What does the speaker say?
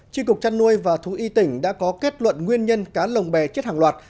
tri cục trăn nuôi và thú y tỉnh đã có kết luận nguyên nhân cá lồng bè chết hàng loạt